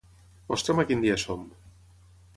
Mostra'm a quin dia som.